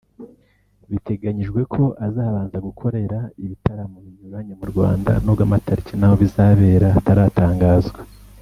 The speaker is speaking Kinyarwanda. biteganyijwe ko azabanza gukorera ibitaramo binyuranye mu Rwanda nubwo amatariki n'aho bizabera hataratangazwa